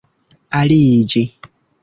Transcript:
aliĝi